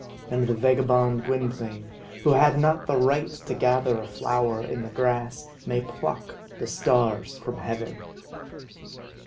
And the vagabond Gwynplaine, who had not the right to gather a flower in the grass, may pluck the stars from heaven!"